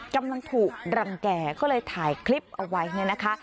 กำลังถูกรังแก่ก็เลยถ่ายคลิปเอาไว้เนี่ยนะคะ